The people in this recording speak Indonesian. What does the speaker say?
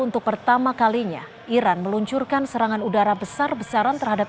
untuk pertama kalinya iran meluncurkan serangan udara besar besaran terhadap